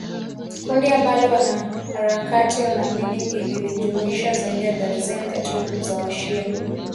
kundi ambalo wanaharakati wanaamini lilijumuisha zaidi ya darzeni tatu za wa-shia